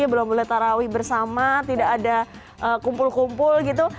belum boleh tarawih bersama tidak ada kumpul kumpul gitu